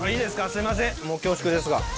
すいません恐縮ですが。